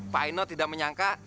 pak eno tidak menyangka